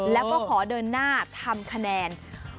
แล้วก็ขอเดินหน้าทำคะแนน